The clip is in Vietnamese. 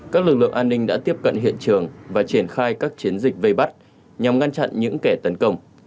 các lực lượng an ninh đã tiếp cận hiện trường và triển khai các chiến dịch vây bắt nhằm ngăn chặn những kẻ tấn công